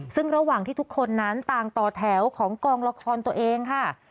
ซึ่งระหว่างที่ทุกคนนั้นต่างต่อแถวของกองละครตัวเองค่ะ